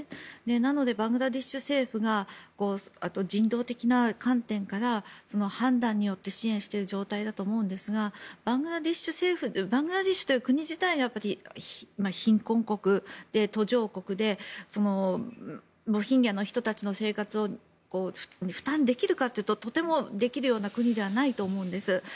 なのでバングラデシュ政府が人道的観点の判断によって支援している状態だと思うんですがバングラデシュという国自体がやはり貧困国で、途上国でロヒンギャの人たちの生活を負担できるかというととてもできるような国ではないと思うんです。